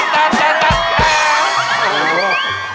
ได้